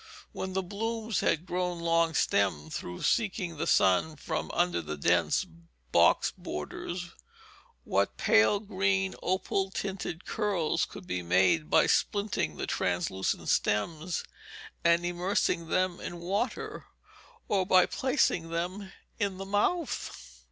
When the blooms had grown long stemmed through seeking the sun from under the dense box borders, what pale green, opal tinted curls could be made by splitting the translucent stems and immersing them in water, or by placing them in the mouth!